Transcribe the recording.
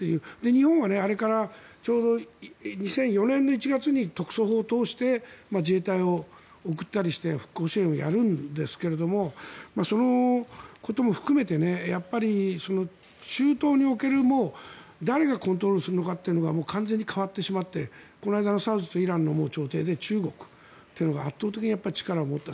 日本はあれからちょうど２００４年の１月に特措法を通して自衛隊を送ったりして復興支援をやるんですけどそのことも含めて中東における誰がコントロールするのかというのがもう完全に変わってしまってこの間のサウジとイランの調停で中国というのが圧倒的に力を持った。